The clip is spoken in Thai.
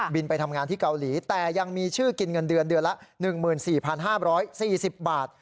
ไปทำงานที่เกาหลีแต่ยังมีชื่อกินเงินเดือนเดือนละ๑๔๕๔๐บาท